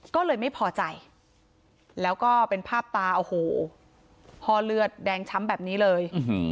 ก็เลยไม่พอใจแล้วก็เป็นภาพตาโอ้โหห้อเลือดแดงช้ำแบบนี้เลย